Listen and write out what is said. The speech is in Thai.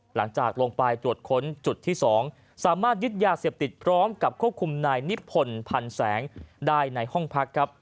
หลังจากลงไปตรวจค้นจุดที่๒สามารถยึดยาเสพติดพร้อมกับควบคุมนายนิพพลพันธ์แสงได้ในห้องพักครับ